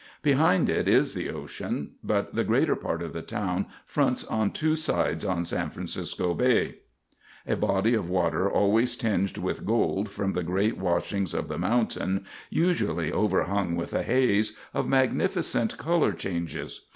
Behind it is the ocean; but the greater part of the town fronts on two sides on San Francisco Bay, a body of water always tinged with gold from the great washings of the mountain, usually overhung with a haze, and of magnificent color changes.